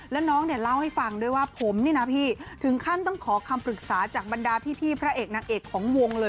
แล้วน้องเนี่ยเล่าให้ฟังด้วยว่าผมนี่นะพี่ถึงขั้นต้องขอคำปรึกษาจากบรรดาพี่พระเอกนางเอกของวงเลย